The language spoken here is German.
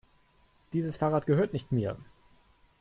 Dieses Fahrrad gehört nicht mir.